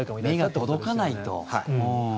目が届かないと。